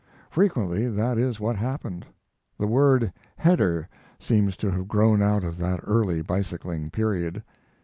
Frequently that is what happened. The word "header" seems to have grown out of that early bicycling period.